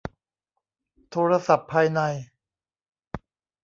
โทรศัพท์ภายใน